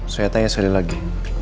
saya tanya sekali lagi